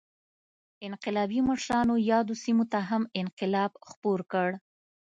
انقلابي مشرانو یادو سیمو ته هم انقلاب خپور کړ.